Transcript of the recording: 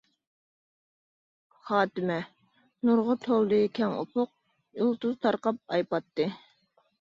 خاتىمە نۇرغا تولدى كەڭ ئۇپۇق، يۇلتۇز تارقاپ ئاي پاتتى.